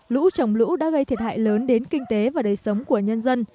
lũ trồng lũ đã gây thiệt hại lớn đến kinh tế và đời sống của nhân dân